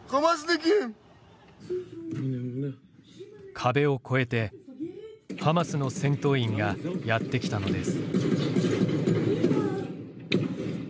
壁を越えて、ハマスの戦闘員がやってきたのです。